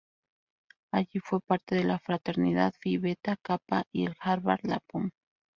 Allí fue parte de la fraternidad Phi Beta Kappa y el Harvard Lampoon.